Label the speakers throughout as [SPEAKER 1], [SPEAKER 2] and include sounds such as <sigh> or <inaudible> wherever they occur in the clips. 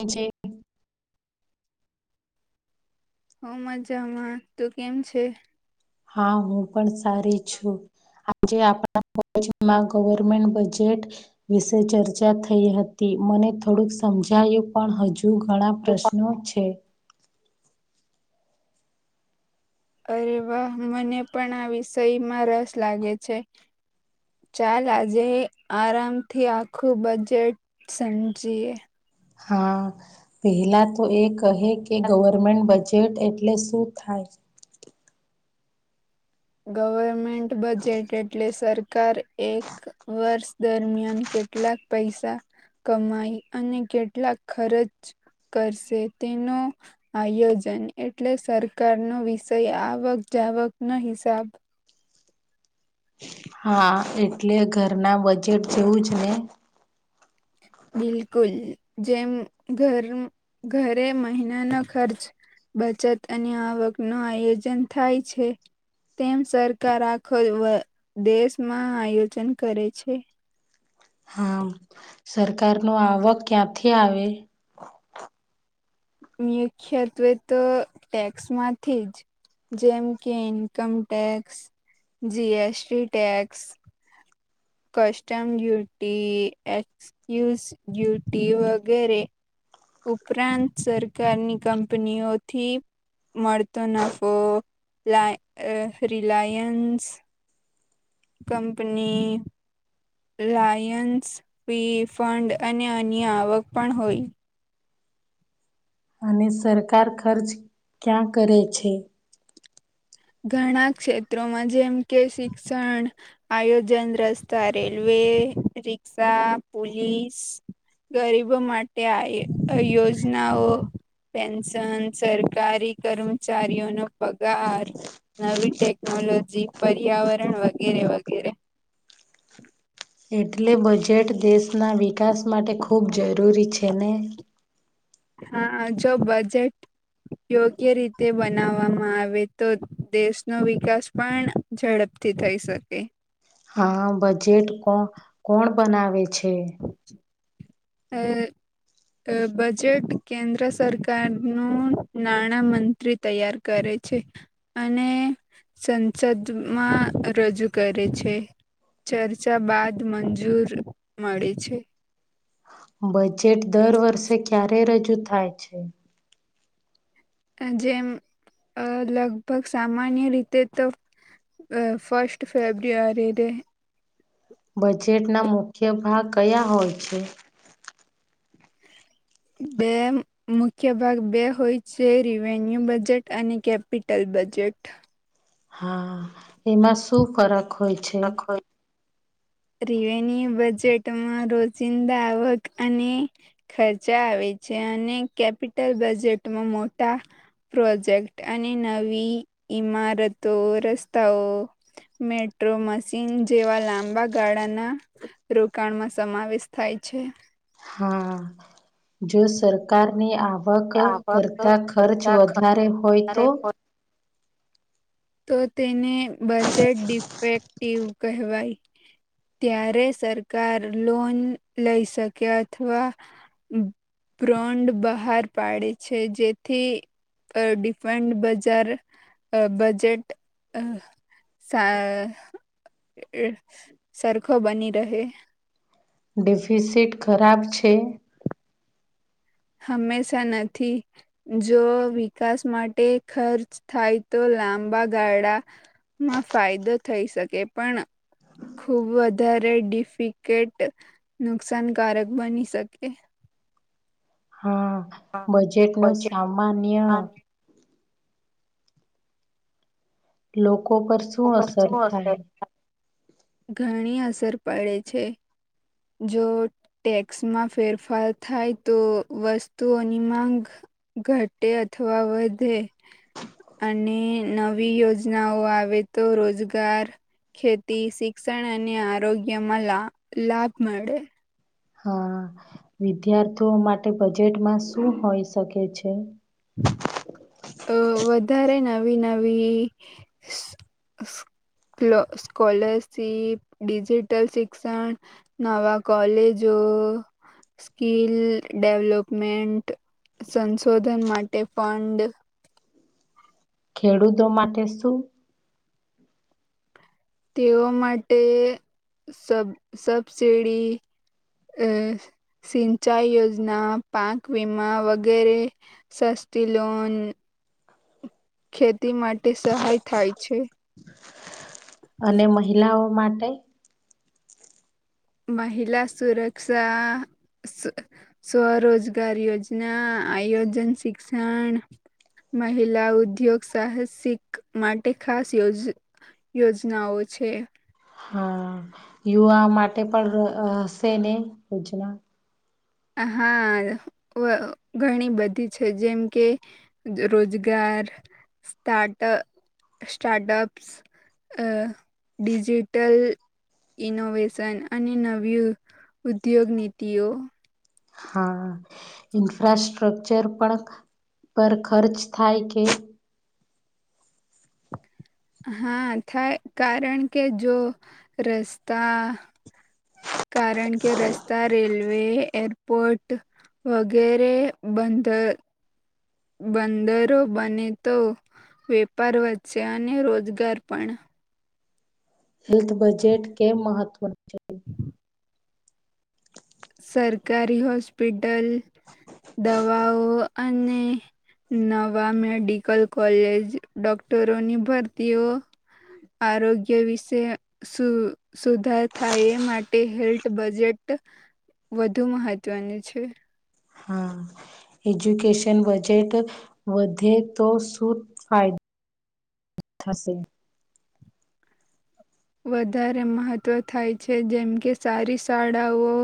[SPEAKER 1] જે
[SPEAKER 2] હું મજામાં. તું કેમ છે?
[SPEAKER 1] હા હું પણ સારી છું. આજે આપણા <unintelligible> ગવર્મેન્ટ બજેટ વિશે ચર્ચા થઈ હતી. મને થોડુંક સમજાયું પણ હજુ ઘણા પ્રશ્નો છે.
[SPEAKER 2] અરે વાહ મને પણ આ વિષયમાં રસ લાગે છે. ચાલ આજે આરામથી આખું બજેટ સમજીએ.
[SPEAKER 1] હા પેહલા તો એ કહે કે ગવર્મેન્ટ બજેટ એટલે શું થાય? <inaudible>
[SPEAKER 2] ગવર્મેન્ટ બજેટ એટલે સરકાર એક વર્ષ દરમિયાન કે કેટલાક પૈસા કમાઈ અને કેટલાક ખર્ચ કરશે. તેનો આયોજન એટલે સરકાર નો વિષય આ વખ <unintelligible> નો હિસાબ.
[SPEAKER 1] હા એટલે ઘરના બજેટ જેવું જ ને.
[SPEAKER 2] બિલકુલ જેમ ઘર ઘરે મહિનાનો ખર્ચ બચત અને આવકનું આયોજન થાય છે. તેમ સરકાર આખો દેશમાં આયોજન કરે છે.
[SPEAKER 1] <inaudible> હા, સરકારનો આવક ક્યાંથી આવે
[SPEAKER 2] મુખ્યત્વે, તો ટેક્સ માંથી જ. જેમ કે income tax G- S- T tax. Custom duty, excuse duty વગેરે. ઉપરાંત સરકારની, કંપનીઓથી મળતો નફો લાઈ, અ Reliance company Lions fee fund અને અન્ય આવક પણ હોય.
[SPEAKER 1] અને સરકાર ખર્ચ ક્યાં કરે છે?
[SPEAKER 2] ઘણા ક્ષેત્રોમાં જેમ કે શિક્ષણ, આયોજન રસ્તા રેલવે રિક્ષા પોલીસ ગરીબો માટે આઈ તોહ યોજ નાઓ પેન્શન સરકારી, કર્મચારીઓનો પગાર નવી ટેકનોલોજી, પર્યાવરણ વગેરે વગેરે
[SPEAKER 1] એટલે બજેટ દેશના વિકાસ માટે ખૂબ જરૂરી છે, ને
[SPEAKER 2] હા, જો બજેટ યોગ્ય રીતે બનાવવામાં આવે, તો દેશનો વિકાસ પણ ઝડપ થી, થઈ શકે.
[SPEAKER 1] હા, બજેટ કો કોણ બનાવે છે.
[SPEAKER 2] ફિર બજેટ કેન્દ્ર સરકારનું નાણાામંત્રી, તૈયાર કરે. અને સંસદમાં રજૂ કરે છે. ચર્ચા બાદ મંજૂર મળે છે.
[SPEAKER 1] બજેટ દર વર્ષે ક્યારે, રજૂ થાય છે
[SPEAKER 2] જેમ અ લગભગ સામાન્ય, રીતે તો અ ફસ્ટ ફેબ્રુઆરી ડે
[SPEAKER 1] બજેટના મુખ્ય ભાગ કયા હોય છે.
[SPEAKER 2] બે મુખ્ય ભાગ બે હોય છે, રવેન્યુ બજેટ અને કેપિટલ. બજેટ
[SPEAKER 1] હા, એમાં શું ફરક હોય છે
[SPEAKER 2] રિવેન્યુ બજેટમાં રોજિંદા આવક અને ખર્ચા આવે અને કેપિટલ બજેટમાં, મોટા પ્રોજેક્ટ અને નવી ઈમારતો, રસ્તાઓ મેટ્રો મશીન જેવા લાંબા ગાળા ના રોકાણમાં સમાવેશ થાય છે.
[SPEAKER 1] હા, જો સરકાર ને આ આવક કરતા ખર્ચ વધારે હોય, તો
[SPEAKER 2] તો તેને બજેટ ડિફેક્ટિવ, કહેવાય. ત્યારે સરકાર લોન લઈ શકે, અથવા બ્રન્ડ, બહાર પાડે છે, જેથી ડિફન્ટ બજાર અ બજેટ, અ સા સરખો બની રહે
[SPEAKER 1] ડિફિસિટ ખરાબ છે.
[SPEAKER 2] હંમેશા નથી, જો વિકાસ માટે ખર્ચ થાય તો લાંબા ગાળામાં ફાયદો થઈ, શકે પણ ખુબ વધારે ડિફિકેટ નુકસાનકારક બની શકે.
[SPEAKER 1] બજેટ ન, સામાન્ય લોકો, પર શું અસર થાય
[SPEAKER 2] ઘણી અસર પડે છે. જો ટેક્સમાં ફેરફાર થાય, તો વસ્તુઓની માંગ ઘટે, અથવા વધે. અને નવી યોજનાઓ આવે, તો રોજગાર ખેતી શિક્ષણ, અને આરોગ્યમાં લા લાભ મળે.
[SPEAKER 1] હા, વિદ્યાર્થીઓ માટે બજેટમાં શું હોઈ શકે છે.
[SPEAKER 2] અ વધારે નવી સ્કોલરશિપ ડિજીિટલ શિક્ષણ, નવા કોલેજો સ્કીલ ડેવલપમેન્ટ, સંશોધન માટે ફંડ
[SPEAKER 1] ખેડૂતો માટે શું
[SPEAKER 2] તેઓ માટે સબ સબસીડી સિંચાઈ યોજના, પાક વિમા વગેરે સસ્તી લોન- - ખેતી માટે સહાય થાય છે.
[SPEAKER 1] અને મહિલાઓ માટે?
[SPEAKER 2] મહિલા સુરક્ષા સ્વરોજગાર યોજના, આયોજન શિક્ષણ- - મહિલા ઉદ્યોગ સાહસિક, માટે ખાસ યોજ- - યોજનાઓ છે.
[SPEAKER 1] હા યુવા માટે પણ હ હશે, ને યોજના?
[SPEAKER 2] હા, ઘણી બધી છે, જેમ કે રોજગાર- - સ્ટારટ સ્ટાર્ટઅપ્સ ડિજિટલ- - ઇનોવેશન અને નવી, ઉદ્યોગ નીતિઓ- -
[SPEAKER 1] હા, ઇન્ફ્રાસ્રક્ચર પણ- - પર ખર્ચ થાય કે?
[SPEAKER 2] હા, થાય કારણ કે જો રસ્તા- - કારણ કે રસ્તા, રેલવે- - એરપોર્ટ વગેરે, બંધ- - બંદરો, બને તો- - વેપાર વધશે અને રોજગાર, પણ- -
[SPEAKER 1] હેલ્થ બજેટ કેમ મહત્વનું છે
[SPEAKER 2] સરકારી હોસ્પિટલ દવાઓ, અને- - નવા મેડિકલ કોલેજ ડોક્ટરોની, ભરતીઓ- - આરોગ્ય, વિશે સુું? સુધાર થાય એ માટે હેલ્ટ બજેટ- - વધુ મહત્વનું છે.
[SPEAKER 1] હા. એજ્યુકેશન બજેટ, વધે તો શું ફાયદો? થશે.
[SPEAKER 2] વધારે મહત્વ થાય છે, જેમ કે સારી શાળાઓ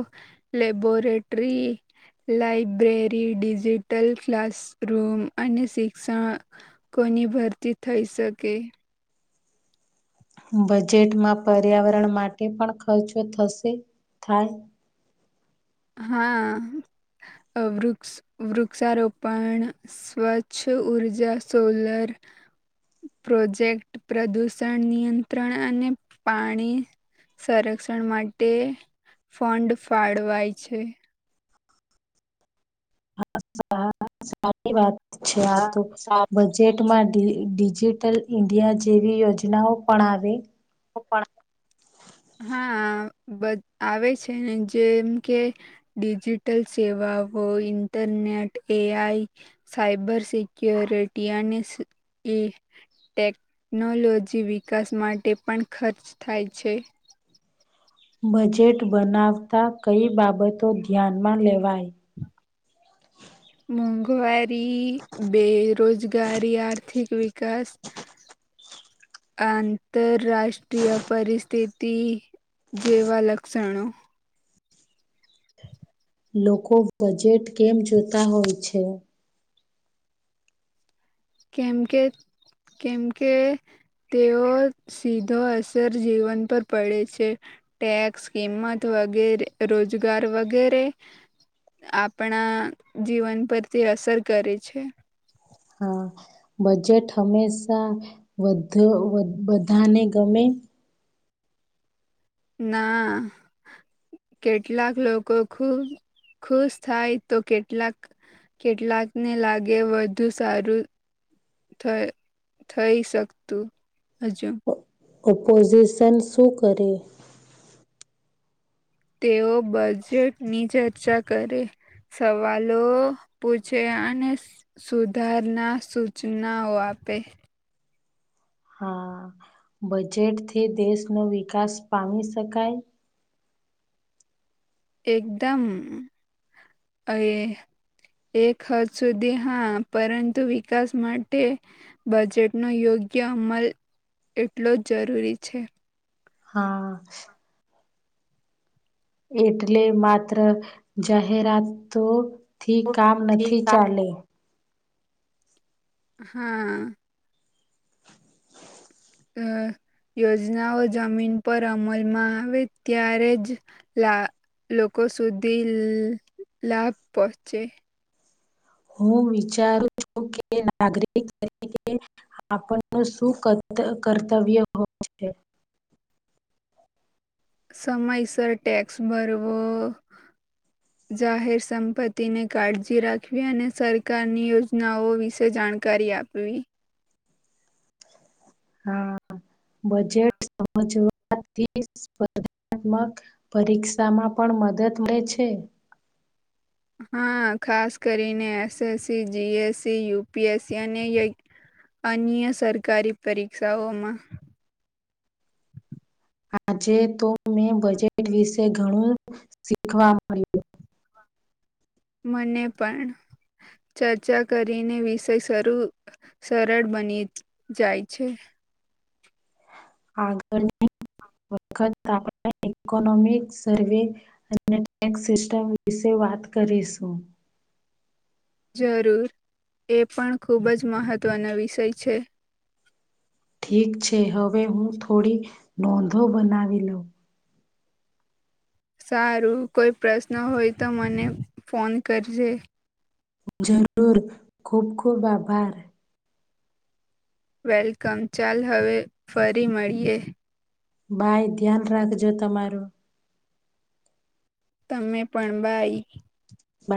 [SPEAKER 2] લેબોરે- - લટરી- - લાઈબ્રેરી ડિજિટલ ક્લાસરૂૂમ, અને શિક્ષણ કો- - ની ભરતી થઈ શકે.
[SPEAKER 1] બજેટમાં પર્યાવરણ, માટે પણ ખર્ચો થશે થાય?
[SPEAKER 2] હા. વૃક્ષ વૃક્ષારોપણ સ્વચ્છ ઉઊર્જા, સોલર- - પ્રોજેક્ટ પ્રદૂષણ નિયંત્રણ અને પાણી- - સંરક્ષણ માટે ફંડ ફાળવાય છે.
[SPEAKER 1] હા, સારી વાત છે, આ તો બજેટ- - મા ડિજિટલ ઇન્ડિયા, જેવી યોજનાઓ પણ આવે?
[SPEAKER 2] ઓ પણણ- - હા. આવે છે ને, જેમ કે ડિજિટલ સેવાઓ. ઇન્ટરનેટ એઆઈ સૈબર સેક્યુરટી, અને- - ઇ ટેગ- - ટેકનોલોજી વિકાસ, માટે પણ ખર્ચ થાય છે?
[SPEAKER 1] બજેટ બનાવતા કઈ, બાબતો ધ્યાનમાં લેવાય?
[SPEAKER 2] મોંઘવારી બેરોજગારી આર્થિક, વિકાસ- - આંતરરાષ્ટ્રીય, પરિસ્થિત- - જેવા લક્ષણો
[SPEAKER 1] લોકો બજેટ કેમ જોતા હોય છે.
[SPEAKER 2] કેમ કે કેમ કે તેઓ સીધો અસર જીવન પર પડે છે, ટેક્સ કિંમત વગેરે રોજગાર વગેરે આપણા જીવન પરથી અસર કરે છે.
[SPEAKER 1] હા, બજેટ હંમેશા વધ બધાને ગમે હમ
[SPEAKER 2] ના કેટલાક લોકો, ખુ ખુશ થાય, તો કેટલાક કેટલાકને લાગે, વધુ સારું થ થઈ, શકતું હજુ.
[SPEAKER 1] ઓપોઝિશન શું કરે
[SPEAKER 2] તેઓ બજેટની, ચર્ચા કરે સવાલો પૂછે, અને સુધારના સૂચનાઓ આપે પે
[SPEAKER 1] હા, બજેટ થી, દેશ નો વિકાસ પામી શકાય
[SPEAKER 2] એકદમ એ એક હદ સુધી હા, પરંતુ વિકાસ માટે બજેટનો યોગ્ય યોગ્ય અમલ એટલો જ જરૂરી છે.
[SPEAKER 1] હા એટલે માત્ર જાહેરાત, તો થી કામ નથી, ચાલે.
[SPEAKER 2] હા હમ્મ યોજનાઓ જમીન પર અમલમાં આવે, ત્યારે જ લા લોકો સુધી લાભ પહોંચે
[SPEAKER 1] હુ વિચારું છુ, કે નાગરિક, તરીકે આપણનું શું કર્તવ્ય હોય છે.
[SPEAKER 2] સમયસર ટેક્સ ભરવો જાહેર સંપત્તિને કાળજી રાખવી, અને સરકારની યોજનાઓ વિશે જાણકારી. આપવી
[SPEAKER 1] હા, બજેટ સમજવાથી ણાત્મક પરીક્ષામાં પણ મદદ મળે છે.
[SPEAKER 2] હા, ખાસ કરીને એસએસસી જીએસસી યુપીએસસી અને અન્ય સરકારી પરીક્ષાઓમાં
[SPEAKER 1] આજે, તો મેં બજેટ વિશે ઘણું શીખવા મળ્યું.
[SPEAKER 2] મને, પણ ચર્ચા કરીને વિષય સરળ બની જાય છે.
[SPEAKER 1] આગળ, વખત આપ ઇકોનોમિક સર્વે અને ટેક્સ સિસ્ટમ, વિશે વાત કરીશું
[SPEAKER 2] જરૂર એ પણ ખૂબજ મહત્વનો વિષય છે.
[SPEAKER 1] ઠીક છે, હવે હું થોડી નોંધો બનાવી લઉં
[SPEAKER 2] સારું કોઈ પ્રશ્ન હોય, તો મને ફોન કરજે
[SPEAKER 1] જરૂુર ખુબ, ખુબ આભાર
[SPEAKER 2] વેલકમ, ચાલ હવે ફરી મળીએ
[SPEAKER 1] ભાય ધ્યાન, રાખજો તમારું
[SPEAKER 2] તમે પણ બાઈ.
[SPEAKER 1] બાય.